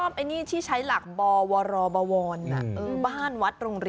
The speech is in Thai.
เดี้ยนชอบไอนี่ใช้หลักบอวรบวรอบวอน